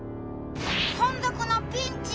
存続のピンチ！